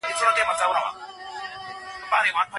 که هڅه دوام ولري نو بریا راځي.